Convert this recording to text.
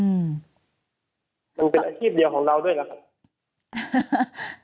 มันเป็นอาชีพเดียวของเราด้วยล่ะครับ